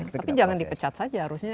tapi jangan dipecat saja harusnya